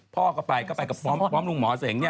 พ่อก็ไปก็ไปกับพร้อมลุงหมอเสงเนี่ย